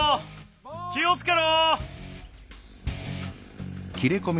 きをつけろ！